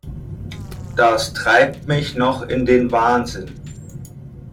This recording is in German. Das treibt mich noch in den Wahnsinn!